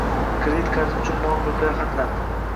Kredit qarzi uchun mol-mulklar xatlanding